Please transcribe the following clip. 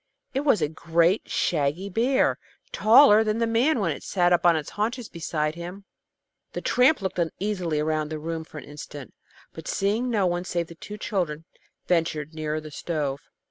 It was a great, shaggy bear, taller than the man when it sat up on its haunches beside him. The tramp looked uneasily around the room for an instant, but seeing no one save the two children, ventured nearer the stove.